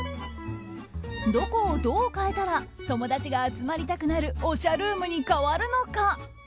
どこをどう変えたら友達が集まりたくなるおしゃルームに変わるのか。